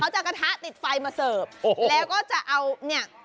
จะกระทะติดไฟมาเสิร์ฟแล้วก็จะเอาเนี่ย